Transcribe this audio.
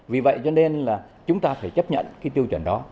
vì vậy cho nên là chúng ta phải chấp nhận cái tiêu chuẩn đó